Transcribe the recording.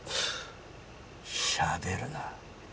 しゃべるな。